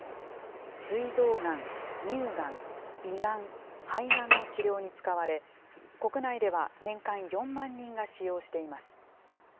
すい臓がん、乳がん、胃がん、肺がんの治療に使われ、国内では年間４万人が使用しています。